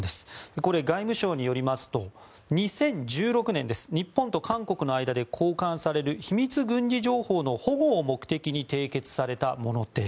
これ、外務省によりますと２０１６年です日本と韓国の間で交換される秘密軍事情報の保護を目的に締結されたものです。